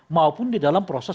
maupun dalam proses